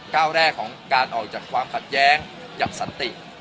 ก้าวแรกของการออกจากความขัดแย้งจากสันติ